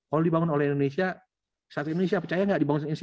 kalau dibangun oleh indonesia satu indonesia percaya nggak dibangun se indonesia